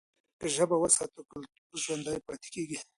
که ژبه وساتو، کلتور ژوندي پاتې کېږي.